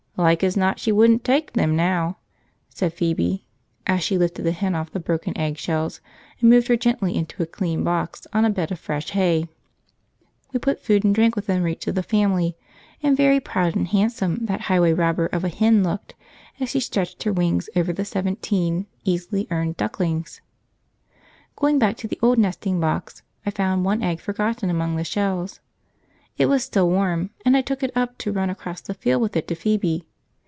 "Like as not she wouldn't tyke them now," said Phoebe, as she lifted the hen off the broken egg shells and moved her gently into a clean box, on a bed of fresh hay. We put food and drink within reach of the family, and very proud and handsome that highway robber of a hen looked, as she stretched her wings over the seventeen easily earned ducklings. Going back to the old nesting box, I found one egg forgotten among the shells. It was still warm, and I took it up to run across the field with it to Phoebe.